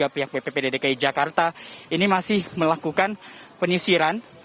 ppp dki jakarta ini masih melakukan penyisiran